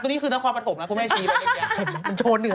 มึงเคยมานักอ่านเองเรียนเจ๊